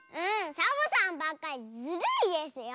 サボさんばっかりずるいですよ。